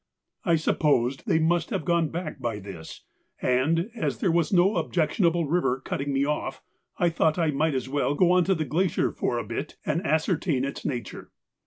I supposed they must have gone back by this, and, as there was no objectionable river cutting me off, I thought I might as well go on to the glacier for a bit and ascertain its nature.